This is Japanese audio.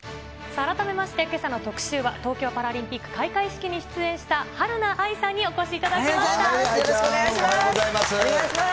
改めまして、けさの特シューは、東京パラリンピック開会式に出演したはるな愛さんにお越しいただおはようございます。